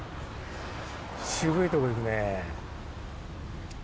渋いとこ行くね。